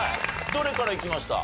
どれからいきました？